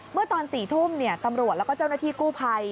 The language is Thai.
เมื่อตอน๔ทุ่มตำรวจแล้วก็เจ้าหน้าที่กู้ภัย